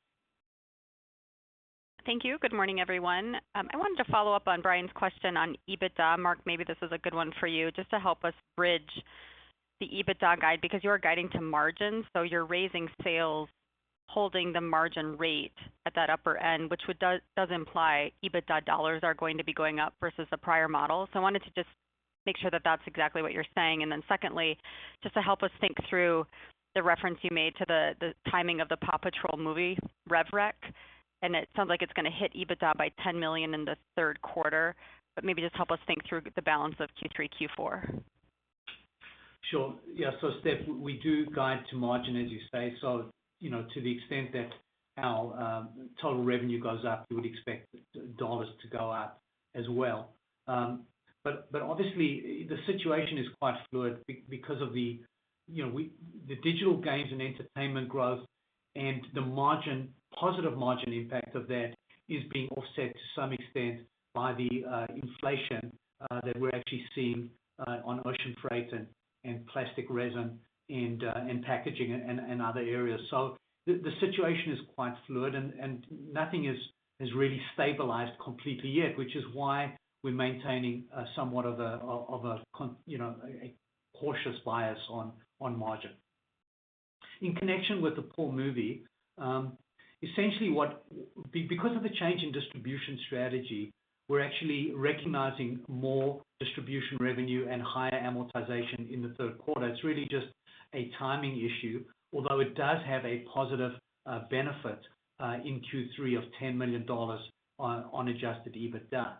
[SPEAKER 5] Thank you. Good morning, everyone. I wanted to follow up on Brian's question on EBITDA. Mark, maybe this is a good one for you, just to help us bridge the EBITDA guide, because you are guiding to margin, so you're raising sales, holding the margin rate at that upper end, which does imply EBITDA dollars are going to be going up versus the prior model. I wanted to just make sure that that's exactly what you're saying. Secondly, just to help us think through the reference you made to the timing of the PAW Patrol movie rev rec, it sounds like it's going to hit EBITDA by $10 million in the third quarter, but maybe just help us think through the balance of Q3, Q4.
[SPEAKER 3] Sure. Yeah. Steph, we do guide to margin, as you say. To the extent that our total revenue goes up, you would expect dollars to go up as well. Obviously, the situation is quite fluid because of the digital games and entertainment growth and the positive margin impact of that is being offset to some extent by the inflation that we're actually seeing on ocean freight and plastic resin and packaging and other areas. The situation is quite fluid, and nothing has really stabilized completely yet, which is why we're maintaining somewhat of a cautious bias on margin. In connection with the PAW movie, essentially because of the change in distribution strategy, we're actually recognizing more distribution revenue and higher amortization in the third quarter. It's really just a timing issue, although it does have a positive benefit in Q3 of $10 million on adjusted EBITDA.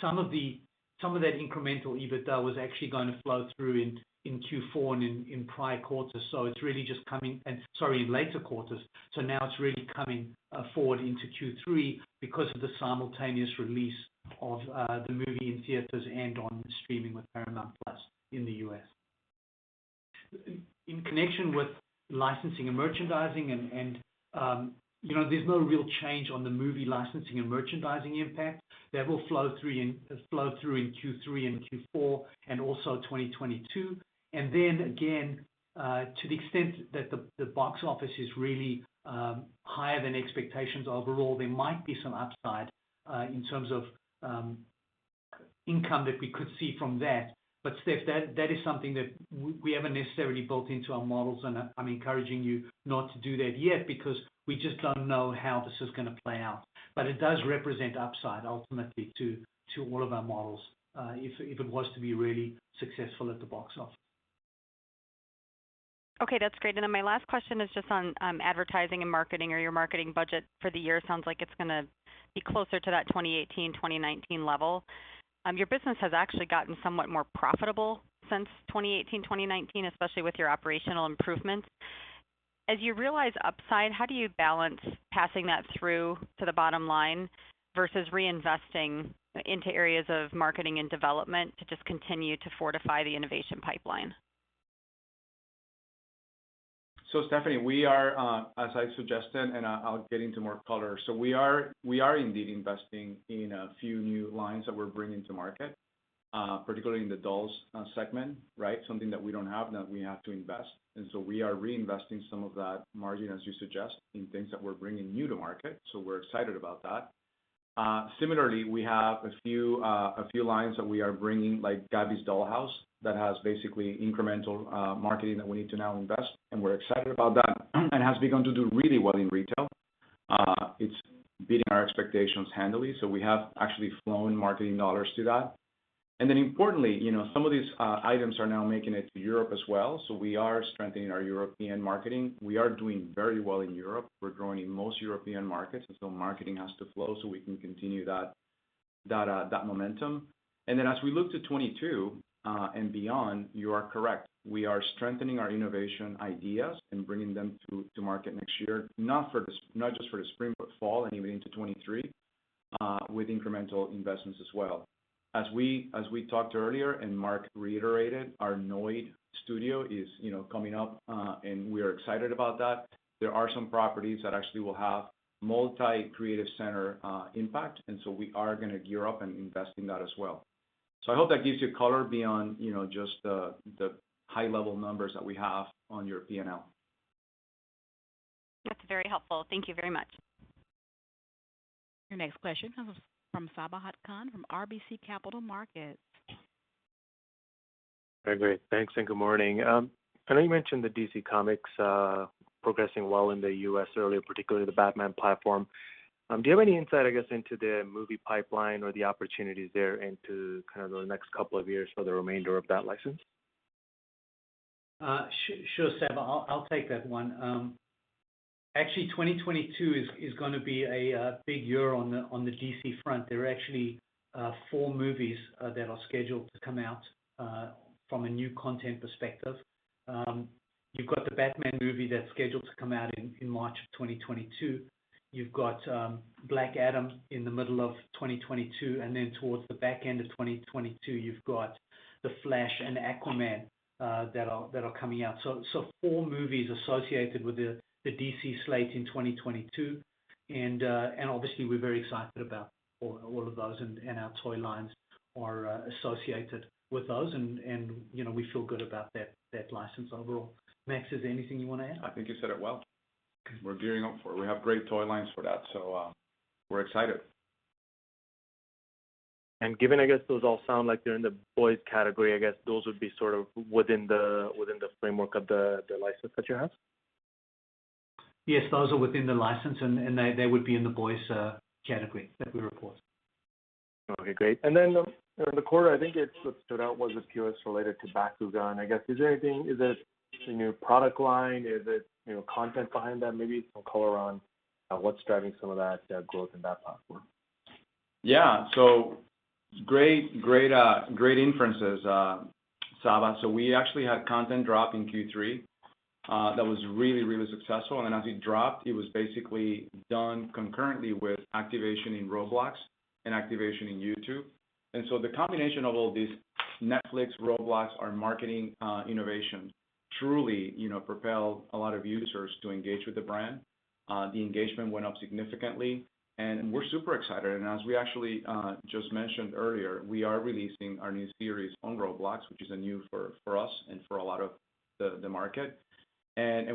[SPEAKER 3] Some of that incremental EBITDA was actually going to flow through in Q4 and in prior quarters, it's really just in later quarters. Now it's really coming forward into Q3 because of the simultaneous release of the movie in theaters and on streaming with Paramount+ in the U.S. In connection with licensing and merchandising, there's no real change on the movie licensing and merchandising impact. That will flow through in Q3 and Q4, 2022. To the extent that the box office is really higher than expectations overall, there might be some upside in terms of income that we could see from that. Steph, that is something that we haven't necessarily built into our models, and I'm encouraging you not to do that yet because we just don't know how this is going to play out. It does represent upside ultimately to all of our models, if it was to be really successful at the box office.
[SPEAKER 5] Okay, that's great. My last question is just on advertising and marketing or your marketing budget for the year. Sounds like it's going to be closer to that 2018, 2019 level. Your business has actually gotten somewhat more profitable since 2018, 2019, especially with your operational improvements. As you realize upside, how do you balance passing that through to the bottom line versus reinvesting into areas of marketing and development to just continue to fortify the innovation pipeline?
[SPEAKER 2] Stephanie, we are, as I suggested, and I'll get into more color. We are indeed investing in a few new lines that we're bringing to market, particularly in the dolls segment, right, something that we don't have, that we have to invest. We are reinvesting some of that margin, as you suggest, in things that we're bringing new to market. We're excited about that. Similarly, we have a few lines that we are bringing, like Gabby's Dollhouse, that has basically incremental marketing that we need to now invest, and we're excited about that, and has begun to do really well in retail. It's beating our expectations handily, so we have actually flown marketing dollars to that. Importantly, some of these items are now making it to Europe as well, so we are strengthening our European marketing. We are doing very well in Europe. We're growing in most European markets, and so marketing has to flow so we can continue that momentum. As we look to 2022 and beyond, you are correct. We are strengthening our innovation ideas and bringing them to market next year. Not just for the spring, but fall and even into 2023, with incremental investments as well. As we talked earlier, and Mark reiterated, our Nørd studio is coming up, and we are excited about that. There are some properties that actually will have multi-creative center impact, and so we are going to gear up and invest in that as well. I hope that gives you color beyond just the high-level numbers that we have on your P&L.
[SPEAKER 5] That's very helpful. Thank you very much.
[SPEAKER 1] Your next question comes from Sabahat Khan from RBC Capital Markets.
[SPEAKER 6] Very great. Thanks, and good morning. I know you mentioned the DC Comics progressing well in the U.S. earlier, particularly the Batman platform. Do you have any insight, I guess, into the movie pipeline or the opportunities there into kind of the next couple of years for the remainder of that license?
[SPEAKER 3] Sure, Sabahat. I'll take that one. Actually, 2022 is going to be a big year on the DC front. There are actually four movies that are scheduled to come out, from a new content perspective. You've got the Batman movie that's scheduled to come out in March of 2022. You've got Black Adam in the middle of 2022, and then towards the back end of 2022, you've got The Flash and Aquaman, that are coming out. Four movies associated with the DC slate in 2022, and obviously we're very excited about all of those and our toy lines are associated with those, and we feel good about that license overall. Max, is there anything you want to add?
[SPEAKER 2] I think you said it well. We're gearing up for it. We have great toy lines for that. We're excited.
[SPEAKER 6] Given, I guess, those all sound like they're in the boys category, I guess those would be sort of within the framework of the license that you have?
[SPEAKER 3] Yes, those are within the license, and they would be in the boys category that we report
[SPEAKER 6] Okay, great. During the quarter, I think it stood out was the POS related to Bakugan. I guess, is there anything, is this a new product line? Is it content behind that? Maybe some color on what's driving some of that growth in that platform?
[SPEAKER 2] Yeah. Great inferences, Sabahat. We actually had content drop in Q3 that was really, really successful, and as it dropped, it was basically done concurrently with activation in Roblox and activation in YouTube. The combination of all these, Netflix, Roblox, our marketing innovation truly propelled a lot of users to engage with the brand. The engagement went up significantly and we're super excited. As we actually just mentioned earlier, we are releasing our new series on Roblox, which is new for us and for a lot of the market.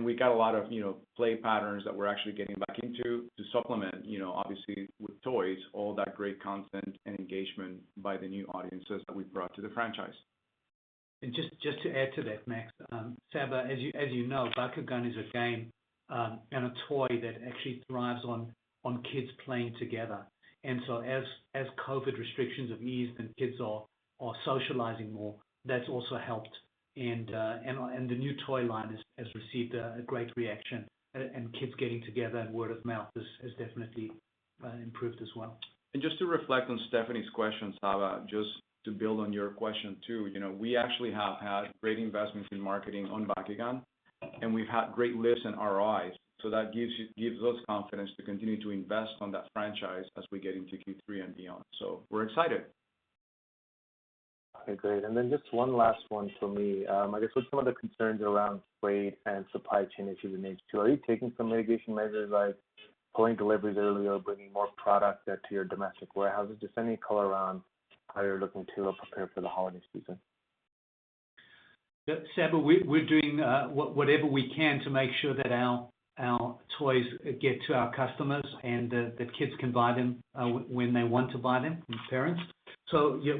[SPEAKER 2] We got a lot of play patterns that we're actually getting back into to supplement, obviously, with toys, all that great content and engagement by the new audiences that we've brought to the franchise.
[SPEAKER 3] Just to add to that, Max, Sabahat, as you know, Bakugan is a game and a toy that actually thrives on kids playing together. As COVID restrictions have eased and kids are socializing more, that's also helped. The new toy line has received a great reaction, and kids getting together and word of mouth has definitely improved as well.
[SPEAKER 2] Just to reflect on Stephanie question, Sabahat, just to build on your question, too. We actually have had great investments in marketing on Bakugan, and we've had great lifts in ROI, so that gives us confidence to continue to invest on that franchise as we get into Q3 and beyond. We're excited.
[SPEAKER 6] Okay, great. Just one last one from me. I guess with some of the concerns around freight and supply chain issues in H2, are you taking some mitigation measures, like pulling deliveries earlier, bringing more product to your domestic warehouses? Just any color around how you're looking to prepare for the holiday season?
[SPEAKER 3] Sabahat, we're doing whatever we can to make sure that our toys get to our customers, and that kids can buy them when they want to buy them, and parents. Yeah,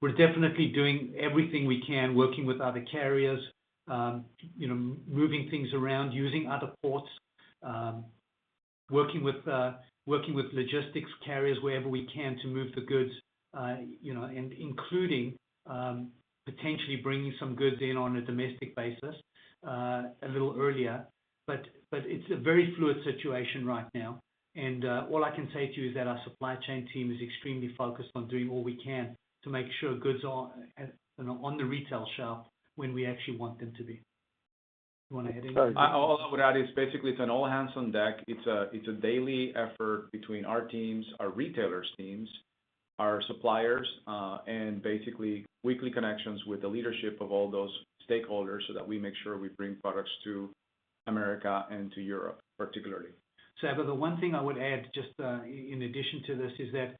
[SPEAKER 3] we're definitely doing everything we can, working with other carriers, moving things around, using other ports, working with logistics carriers wherever we can to move the goods, and including potentially bringing some goods in on a domestic basis a little earlier. It's a very fluid situation right now. All I can say to you is that our supply chain team is extremely focused on doing all we can to make sure goods are on the retail shelf when we actually want them to be. You want to add anything?
[SPEAKER 2] All I would add is basically it's an all hands on deck. It's a daily effort between our teams, our retailers' teams, our suppliers, and basically weekly connections with the leadership of all those stakeholders so that we make sure we bring products to America and to Europe, particularly.
[SPEAKER 3] Sabahat, the one thing I would add just in addition to this, is that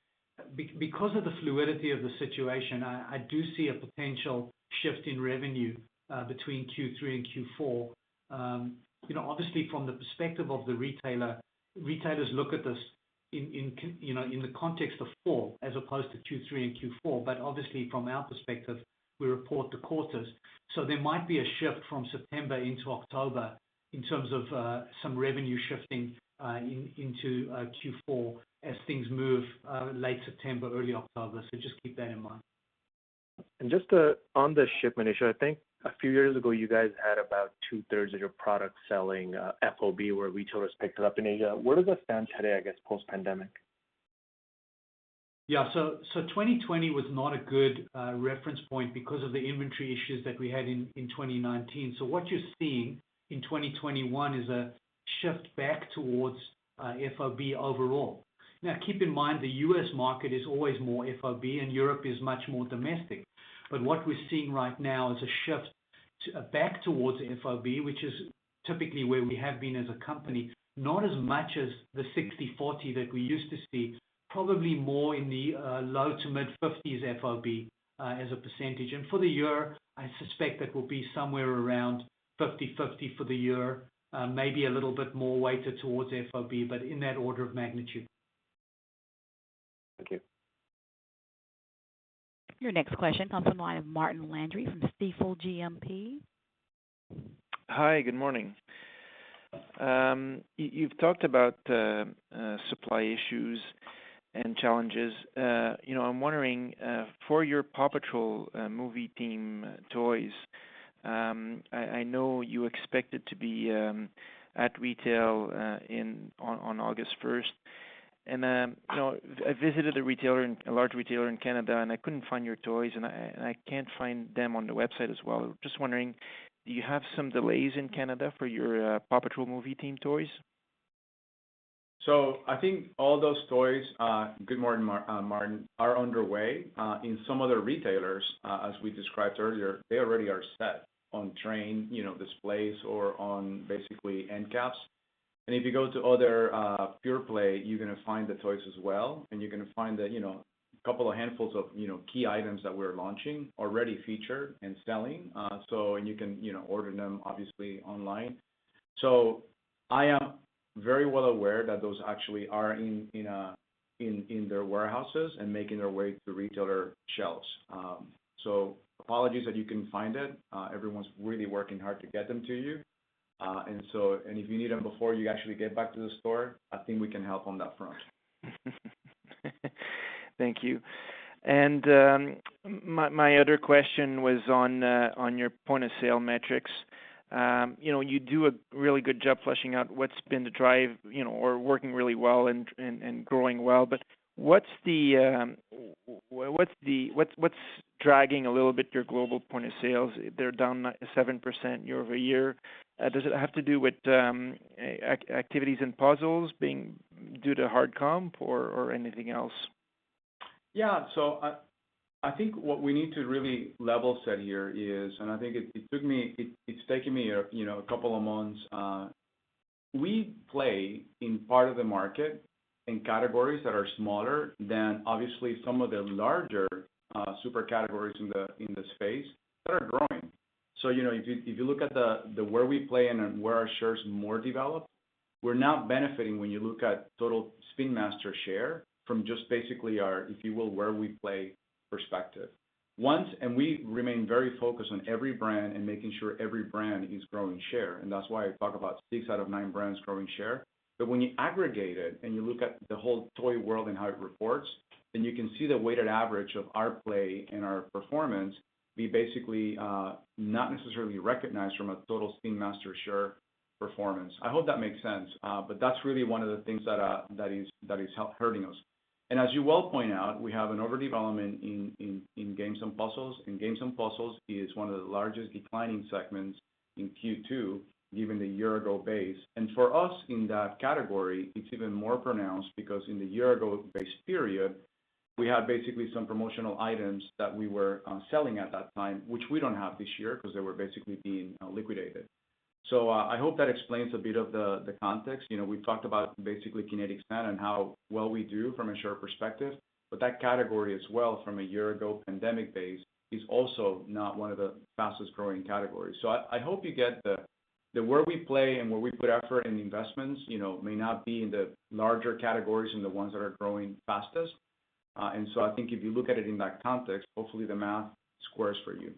[SPEAKER 3] because of the fluidity of the situation, I do see a potential shift in revenue between Q3 and Q4. Obviously from the perspective of the retailer, retailers look at this in the context of four as opposed to Q3 and Q4. Obviously from our perspective, we report the quarters, there might be a shift from September into October in terms of some revenue shifting into Q4 as things move late September, early October. Just keep that in mind.
[SPEAKER 6] Just on the shipment issue, I think a few years ago, you guys had about 2/3 of your product selling FOB where retailers picked it up in Asia. Where does that stand today, I guess post pandemic?
[SPEAKER 3] Yeah. 2020 was not a good reference point because of the inventory issues that we had in 2019. What you're seeing in 2021 is a shift back towards FOB overall. Now keep in mind, the U.S. market is always more FOB and Europe is much more domestic. What we're seeing right now is a shift back towards FOB, which is typically where we have been as a company, not as much as the 60/40 that we used to see, probably more in the low to mid-50s FOB as a percentage. For the year, I suspect that will be somewhere around 50/50 for the year. Maybe a little bit more weighted towards FOB, but in that order of magnitude.
[SPEAKER 6] Thank you.
[SPEAKER 1] Your next question comes the line of Martin Landry from Stifel GMP.
[SPEAKER 7] Hi, good morning. You've talked about supply issues and challenges. I'm wondering, for your PAW Patrol movie theme toys, I know you expect it to be at retail on August 1st. I visited a large retailer in Canada and I couldn't find your toys, and I can't find them on the website as well. Just wondering, do you have some delays in Canada for your PAW Patrol movie theme toys?
[SPEAKER 2] I think all those toys, good morning Martin, are underway. In some other retailers as we described earlier, they already are set on train displays or on basically end caps. If you go to other pure-play, you're going to find the toys as well, and you're going to find a couple of handfuls of key items that we're launching already featured and selling. You can order them obviously online. I am very well aware that those actually are in their warehouses and making their way to retailer shelves. Apologies that you couldn't find it. Everyone's really working hard to get them to you. If you need them before you actually get back to the store, I think we can help on that front.
[SPEAKER 7] Thank you. My other question was on your point of sale metrics. You do a really good job fleshing out what's been the drive or working really well and growing well. What's dragging a little bit your global point of sales? They're down 7% year-over-year. Does it have to do with activities and puzzles being due to hard comp or anything else?
[SPEAKER 2] I think what we need to really level set here is, and I think it's taken me a couple of months. We play in part of the market in categories that are smaller than obviously some of the larger super categories in the space that are growing. If you look at where we play and where our shares more developed, we're now benefiting when you look at total Spin Master share from just basically our, if you will, where we play perspective. We remain very focused on every brand and making sure every brand is growing share, and that's why I talk about six out of nine brands growing share. When you aggregate it and you look at the whole toy world and how it reports, then you can see the weighted average of our play and our performance be basically not necessarily recognized from a total Spin Master share performance. I hope that makes sense. That's really one of the things that is hurting us. As you well point out, we have an overdevelopment in games and puzzles. Games and puzzles is one of the largest declining segments in Q2 given the year ago base. For us in that category, it's even more pronounced because in the year ago base period, we had basically some promotional items that we were selling at that time, which we don't have this year because they were basically being liquidated. I hope that explains a bit of the context. We've talked about basically Kinetic Sand and how well we do from a share perspective, but that category as well from a year ago pandemic base is also not one of the fastest growing categories. I hope you get that where we play and where we put effort and investments may not be in the larger categories and the ones that are growing fastest. I think if you look at it in that context, hopefully the math squares for you.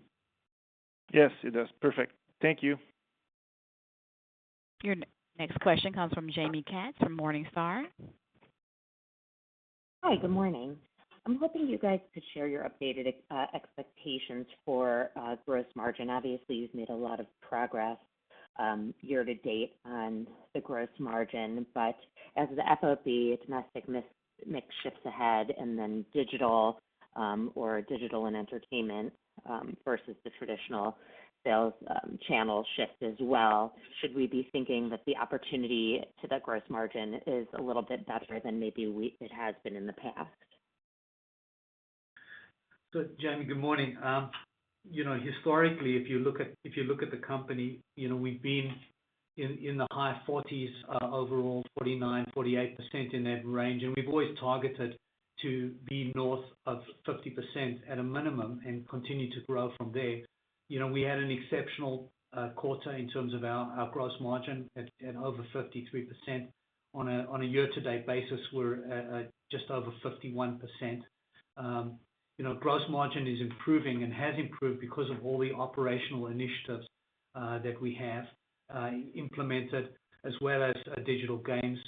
[SPEAKER 7] Yes, it does. Perfect. Thank you.
[SPEAKER 1] Your next question comes from Jaime Katz from Morningstar.
[SPEAKER 8] Hi, good morning. I am hoping you guys could share your updated expectations for gross margin. Obviously, you've made a lot of progress year-to-date on the gross margin. As the FOB domestic mix shifts ahead and then digital or digital and entertainment versus the traditional sales channel shift as well, should we be thinking that the opportunity to the gross margin is a little bit better than maybe it has been in the past?
[SPEAKER 3] Jaime, good morning. Historically, if you look at the company, we've been in the high 40s overall, 49%, 48% in that range. We've always targeted to be north of 50% at a minimum and continue to grow from there. We had an exceptional quarter in terms of our gross margin at over 53%. On a year-to-date basis, we're at just over 51%. Gross margin is improving and has improved because of all the operational initiatives that we have implemented, as well as our digital games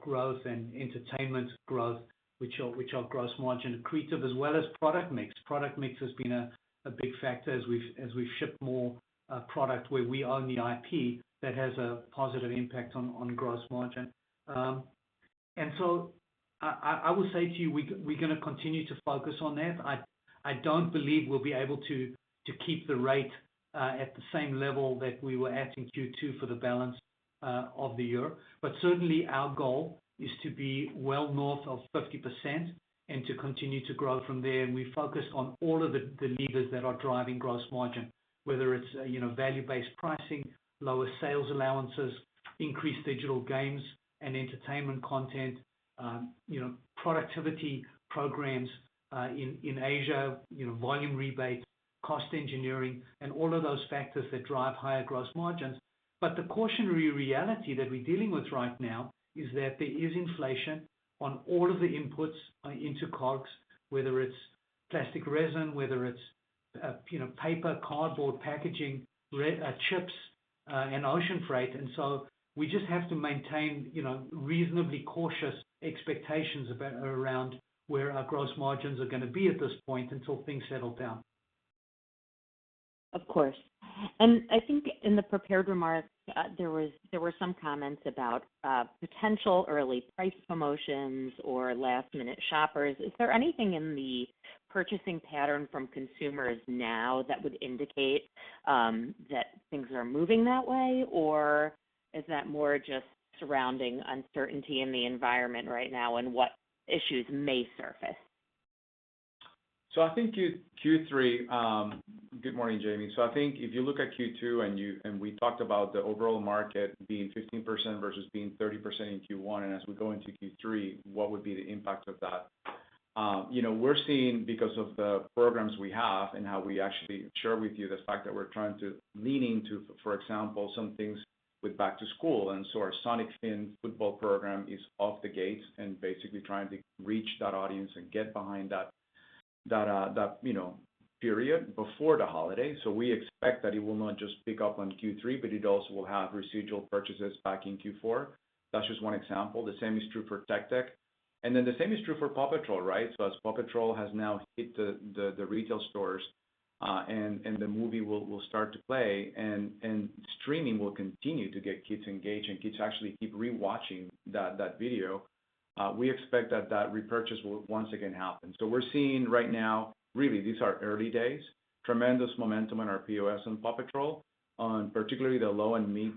[SPEAKER 3] growth and entertainment growth, which are gross margin accretive, as well as product mix. Product mix has been a big factor as we've shipped more product where we own the IP that has a positive impact on gross margin. I will say to you, we're going to continue to focus on that. I don't believe we'll be able to keep the rate at the same level that we were at in Q2 for the balance of the year. Certainly, our goal is to be well north of 50% and to continue to grow from there. We focus on all of the levers that are driving gross margin, whether it's value-based pricing, lower sales allowances, increased digital games and entertainment content, productivity programs in Asia, volume rebates, cost engineering, and all of those factors that drive higher gross margins. The cautionary reality that we're dealing with right now is that there is inflation on all of the inputs into COGS, whether it's plastic resin, whether it's paper, cardboard, packaging, chips, and ocean freight. We just have to maintain reasonably cautious expectations around where our gross margins are going to be at this point until things settle down.
[SPEAKER 8] Of course. I think in the prepared remarks, there were some comments about potential early price promotions or last minute shoppers. Is there anything in the purchasing pattern from consumers now that would indicate that things are moving that way? Is that more just surrounding uncertainty in the environment right now and what issues may surface?
[SPEAKER 2] Good morning, Jaime. I think if you look at Q2 and we talked about the overall market being 15% versus being 30% in Q1, and as we go into Q3, what would be the impact of that? We're seeing because of the programs we have and how we actually share with you the fact that we're trying to lean in to, for example, some things with back to school. Our Sonic Fin Football program is off the gates and basically trying to reach that audience and get behind that period before the holiday. We expect that it will not just pick up on Q3, but it also will have residual purchases back in Q4. That's just one example. The same is true for Tech Deck. The same is true for PAW Patrol. As PAW Patrol has now hit the retail stores and the movie will start to play and streaming will continue to get kids engaged and kids actually keep rewatching that video, we expect that that repurchase will once again happen. We're seeing right now, really, these are early days, tremendous momentum in our POS and PAW Patrol on particularly the low and mid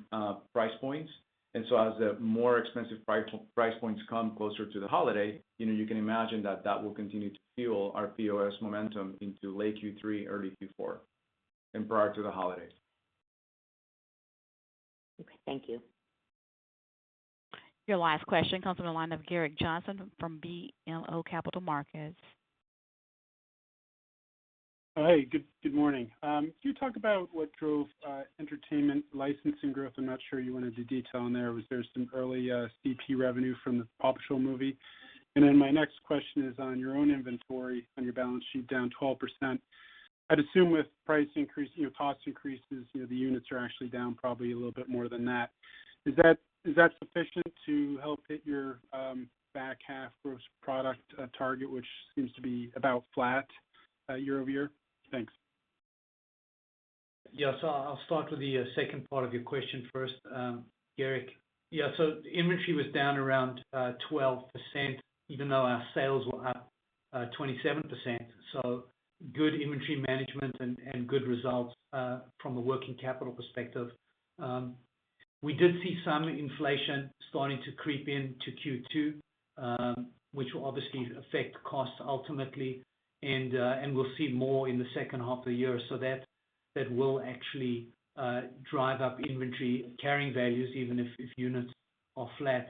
[SPEAKER 2] price points. As the more expensive price points come closer to the holiday, you can imagine that that will continue to fuel our POS momentum into late Q3, early Q4, and prior to the holidays.
[SPEAKER 8] Okay. Thank you.
[SPEAKER 1] Your last question comes from the line of Gerrick Johnson from BMO Capital Markets.
[SPEAKER 9] Hey, good morning. Can you talk about what drove entertainment licensing growth? I'm not sure you went into detail on there. Was there some early CP revenue from the PAW Patrol: The Movie? My next question is on your own inventory, on your balance sheet down 12%. I'd assume with price increase, cost increases, the units are actually down probably a little bit more than that. Is that sufficient to help hit your back half gross product target, which seems to be about flat year-over-year? Thanks.
[SPEAKER 3] I'll start with the second part of your question first, Gerrick. Inventory was down around 12%, even though our sales were up 27%. Good inventory management and good results from a working capital perspective. We did see some inflation starting to creep in to Q2, which will obviously affect costs ultimately, and we'll see more in the second half of the year. That will actually drive up inventory carrying values, even if units are flat.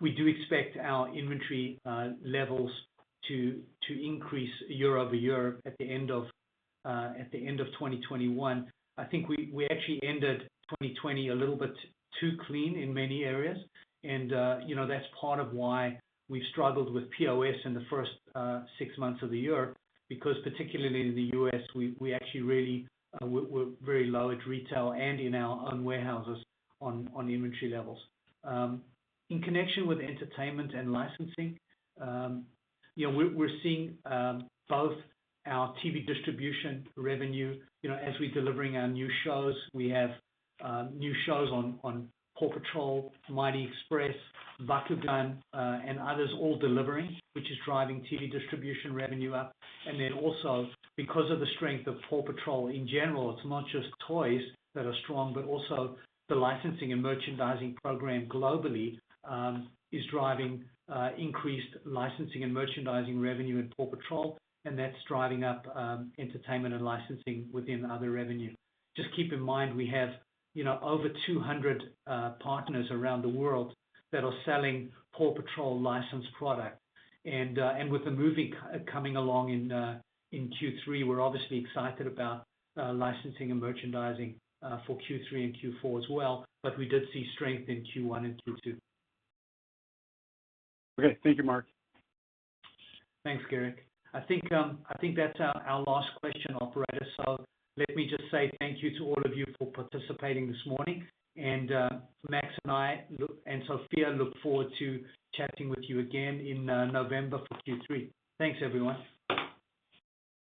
[SPEAKER 3] We do expect our inventory levels to increase year-over-year at the end of 2021. I think we actually ended 2020 a little bit too clean in many areas. That's part of why we've struggled with POS in the first six months of the year, because particularly in the U.S., we actually were very low at retail and in our own warehouses on inventory levels. In connection with entertainment and licensing, we're seeing both our TV distribution revenue, as we're delivering our new shows, we have new shows on PAW Patrol, Mighty Express, Bakugan, and others all delivering, which is driving TV distribution revenue up. Then also because of the strength of PAW Patrol in general, it's not just toys that are strong, but also the licensing and merchandising program globally is driving increased licensing and merchandising revenue in PAW Patrol, and that's driving up entertainment and licensing within other revenue. Just keep in mind, we have over 200 partners around the world that are selling PAW Patrol licensed product. With the movie coming along in Q3, we're obviously excited about licensing and merchandising for Q3 and Q4 as well. We did see strength in Q1 and Q2.
[SPEAKER 9] Okay. Thank you, Mark.
[SPEAKER 3] Thanks, Gerrick. I think that's our last question, operator. Let me just say thank you to all of you for participating this morning, and Max and I and Sophia look forward to chatting with you again in November for Q3. Thanks, everyone.